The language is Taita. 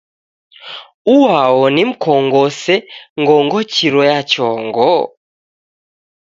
Uao nimkong'ose ngongochiro ya chongo?